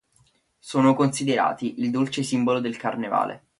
Sono considerati il dolce simbolo del Carnevale.